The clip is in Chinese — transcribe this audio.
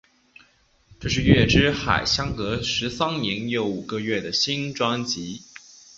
这是月之海相隔十三年又五个月的新专辑。